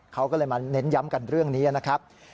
เขาก็เลยมาเน้นย้ำกันเรื่องนี้นะครับ